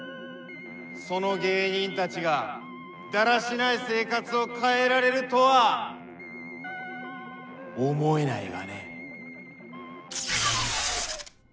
その芸人たちがだらしない生活を変えられるとは思えないがね。